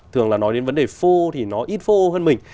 thường là nói đến vấn đề phô thì nó ít phô hơn mình